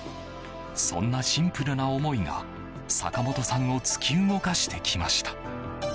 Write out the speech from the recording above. そんなシンプルな思いが坂本さんを突き動かしてきました。